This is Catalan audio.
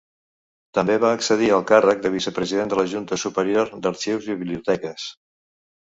També va accedir al càrrec de vicepresident de la Junta Superior d'Arxius i Biblioteques.